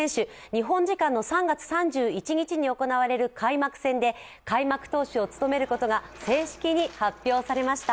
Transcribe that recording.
日本時間の３月３１日に行われる開幕戦で開幕投手を務めることが正式に発表されました。